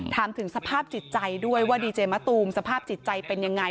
ถามถึงสภาพจิตใจด้วยว่าดีเจมะตูมสภาพจิตใจเป็นยังไง